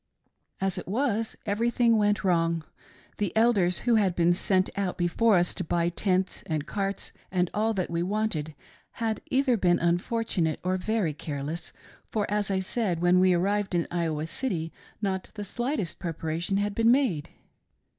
As it was, everything went wrong. The Elders who had been sent out before us to buy tents and carts and all that we wanted, had either been ynfortunate or very careless, for, as I said, when we ar »rived in Iowa City not the slightest preparation had been made.